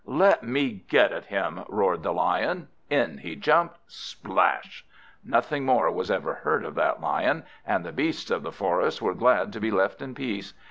"Let me get at him!" roared the Lion. In he jumped splash! Nothing more was ever heard of that Lion, and the beasts of the forest were glad to be left in peace.